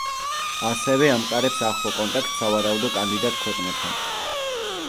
ასევე ამყარებს ახლო კონტაქტს სავარაუდო კანდიდატ ქვეყნებთან.